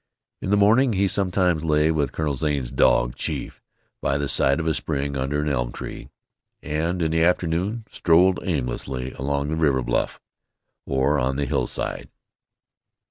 In the morning he sometimes lay with Colonel Zane's dog, Chief, by the side of a spring under an elm tree, and in the afternoon strolled aimlessly along the river bluff, or on the hillside.